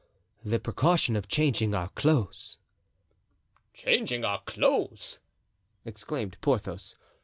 "The precaution of changing our clothes." "Changing our clothes!" exclaimed Porthos.